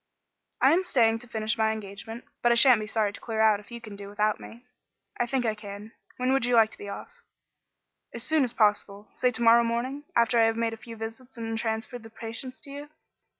"I am staying on to finish my engagement, but I shan't be sorry to clear out if you can do without me." "I think I can. When would you like to be off?" "As soon as possible. Say to morrow morning, after I have made a few visits and transferred the patients to you."